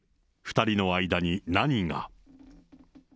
２人の間に何が。